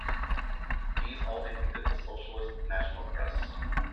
These all depicted the socialist national crest.